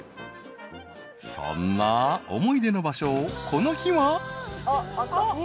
［そんな思い出の場所をこの日は］